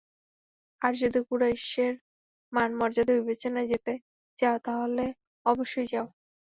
আর যদি কুরাইশদের মান-মর্যাদা বিবেচনায় যেতে চাও তাহলে অবশ্যই যাও।